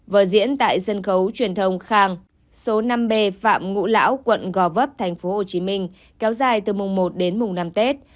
vở diễn tại sân khấu truyền thông khang số năm b phạm ngũ lão quận gò vấp tp hcm kéo dài từ mùng một đến mùng năm tết